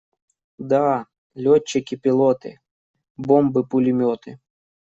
Да! Летчики-пилоты! Бомбы-пулеметы!